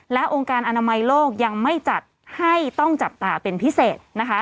และองค์การอนามัยโลกยังไม่จัดให้ต้องจับตาเป็นพิเศษนะคะ